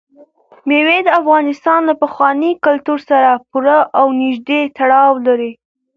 مېوې د افغانستان له پخواني کلتور سره پوره او نږدې تړاو لري.